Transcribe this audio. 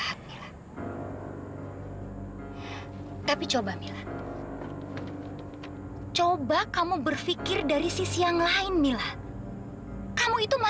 sampai jumpa di video selanjutnya